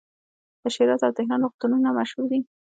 د شیراز او تهران روغتونونه مشهور دي.